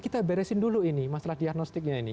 tapi mungkin dulu ini masalah diagnostiknya ini